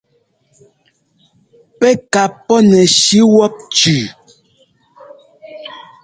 Pɛ́ ka pɔ́nɛshi wɔ́p cʉʉ.